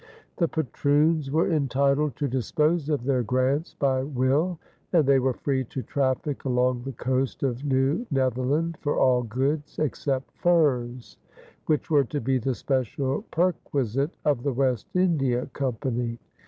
The patroons were entitled to dispose of their grants by will, and they were free to traffic along the coast of New Netherland for all goods except furs, which were to be the special perquisite of the West India Company.